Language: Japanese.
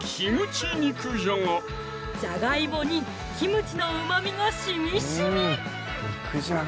じゃがいもにキムチのうまみがしみしみ！